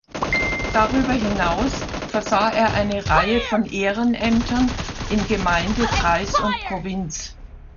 Darüber hinaus versah er eine Reihe von Ehrenämtern in Gemeinde, Kreis und Provinz.